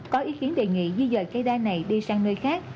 có ý kiến đề nghị di dời cây đa này đi sang nơi khác